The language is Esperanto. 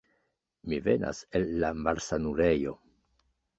Mi venas el la malsanulejo.